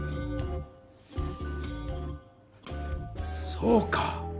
そうか！